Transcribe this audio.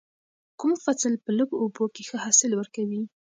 کوم فصل په لږو اوبو کې ښه حاصل ورکوي؟